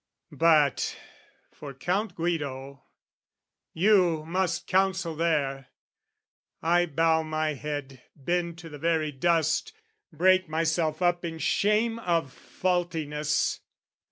But for Count Guido, you must counsel there! I bow my head, bend to the very dust, Break myself up in shame of faultiness.